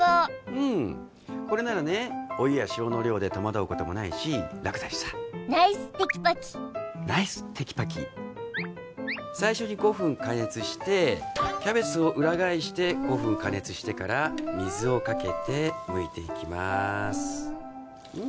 うんこれならねお湯や塩の量で戸惑うこともないし楽だしさナイステキパキナイステキパキ最初に５分加熱してキャベツを裏返して５分加熱してから水をかけてむいていきますうん？